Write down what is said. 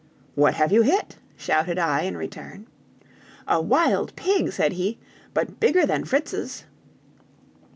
"What have you hit?" shouted I in return. "A wild pig," said he; "but bigger than Fritz's."